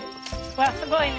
わっすごいね！